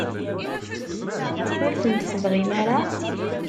Ur tent-tebɣim ara?